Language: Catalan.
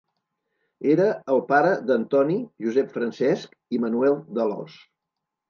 Era el pare d'Antoni, Josep Francesc i Manuel d'Alòs.